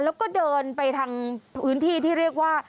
แล้วก็เดินไปทางพื้นที่ที่เรียกว่า